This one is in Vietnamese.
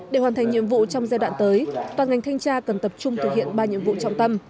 để hoàn thành nhiệm vụ trong giai đoạn tới toàn ngành thanh tra cần tập trung thực hiện ba nhiệm vụ trọng tâm